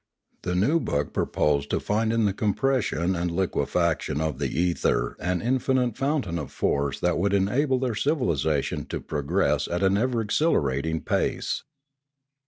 The new book pro posed to find in the compression and liquefication of the ether an infinite fountain of force that would enable their civilisation to progress at an ever accelerating pace.